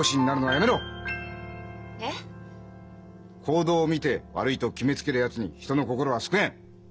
行動を見て悪いと決めつけるやつに人の心は救えん！